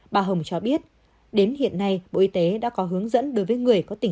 bà hồng cho biết đến hiện nay bộ y tế đã có hướng dẫn đối với người có tình